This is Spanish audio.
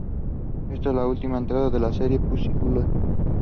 Esta es la última entrega de la serie Puzzle Bobble.